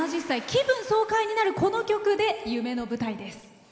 気分爽快になる、この曲で夢の舞台です。